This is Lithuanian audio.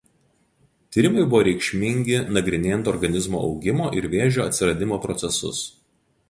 Tyrimai buvo reikšmingi nagrinėjant organizmo augimo ir vėžio atsiradimo procesus.